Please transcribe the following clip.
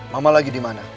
mama lagi dimana